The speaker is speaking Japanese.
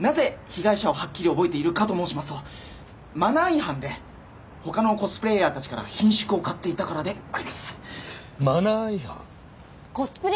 なぜ被害者をはっきり覚えているかと申しますとマナー違反で他のコスプレイヤーたちから顰蹙を買っていたからであります。